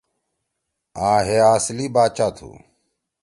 آں ہے آصلی باچا تُھو۔